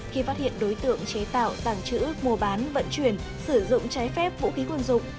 khi phát hiện đối tượng chế tạo tàng trữ mua bán vận chuyển sử dụng trái phép vũ khí quân dụng